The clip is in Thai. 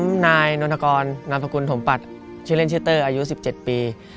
ผมนายนวทกนามศกถชื่อเล่นชื่อเต้ออายุ๑๗ปี